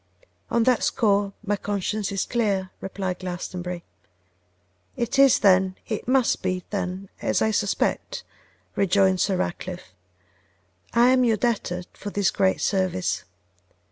'On that score my conscience is clear,' replied Glastonbury. 'It is, then, it must be then as I suspect,' rejoined Sir Ratcliffe. 'I am your debtor for this great service.